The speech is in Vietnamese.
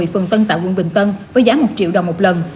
phường tân tạo quận bình tân với giá một triệu đồng một lần